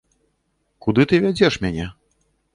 Куды ты вядзеш мяне?